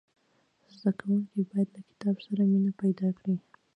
زدهکوونکي باید له کتاب سره مینه پیدا کړي.